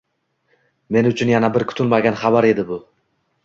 Men uchun yana bir kutilmagan xabar edi, bu